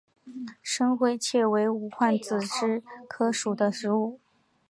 深灰槭为无患子科槭属的植物。